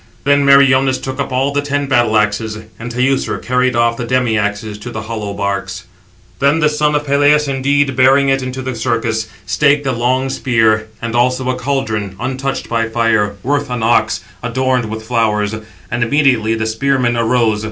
Then Meriones took up all the ten battle axes, and Teucer carried off the demi axes to the hollow barks. Then the son of Peleus indeed, bearing it into the circus, staked a long spear, and also a caldron, untouched by fire, worth an ox, adorned with flowers; and immediately the spearmen arose.